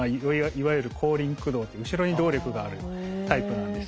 いわゆる後輪駆動という後ろに動力があるタイプなんですけども。